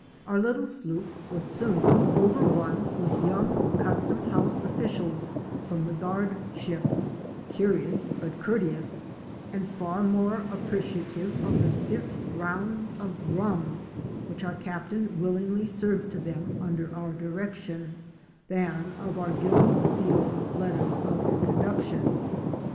Our little sloop was soon over run with young custom house officials frora the guard ship, curious but courteous, and far more appreciative of the stiff rounds of rum which our Cap tain willingly served to them under our direction, than of our gilt sealed letters of introduction.